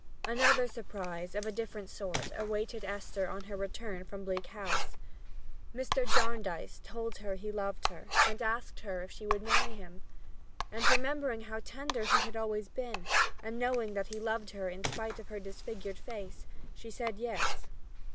Another surprise of a different sort awaited Esther on her return to Bleak House. Mr. Jarndyce told her that he loved her and asked her if she would marry him. And, remembering how tender he had always been, and knowing that he loved her in spite of her disfigured face, she said yes.